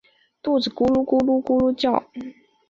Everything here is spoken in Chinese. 肚子咕噜咕噜叫